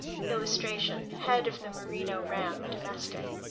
[Illustration: HEAD OF THE MERINO RAM (DOMESTIC).